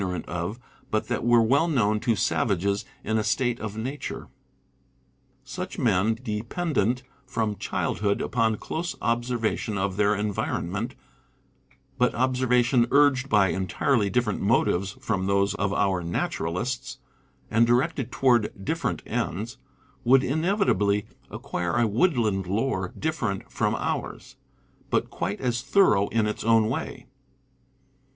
, rant of, but that were well known to Lost Arts. ... p 4. c 1, savages m a state ot nature, bucn men, dependent from childhood upon close observa tion of their environment, but observation urged by entirely different motives from those of our naturalists, and directed toward different ends, would inevitably acquire a woodland lore different from ours, but quite as thorough in its own way.